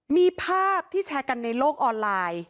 มีภาพที่แชร์กันในโลกออนไลน์